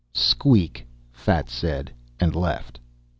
"Squeak," Fats said and left.